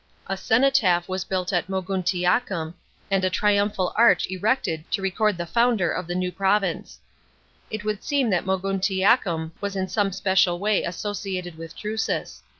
A cenotaph was built at Moguiiiiacum, and a triumphal arch erected to record the founder ol the new province. It would seem that Moguntiacum was in some special way associated with Drusus.